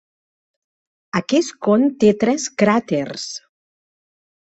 Aquest con té tres cràters.